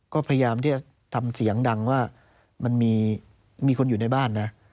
ก็พยายามที่จะทำเสียงดังว่ามันมีคนอยู่ในบ้านนะ